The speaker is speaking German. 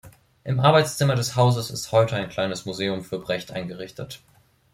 Im Arbeitszimmer des Hauses ist heute ein kleines Museum für Brecht eingerichtet.